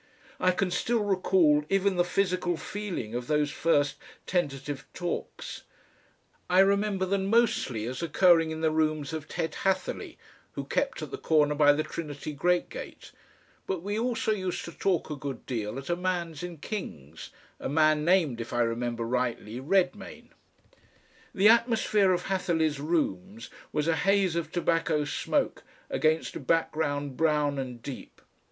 I can still recall even the physical feeling of those first tentative talks. I remember them mostly as occurring in the rooms of Ted Hatherleigh, who kept at the corner by the Trinity great gate, but we also used to talk a good deal at a man's in King's, a man named, if I remember rightly, Redmayne. The atmosphere of Hatherleigh's rooms was a haze of tobacco smoke against a background brown and deep.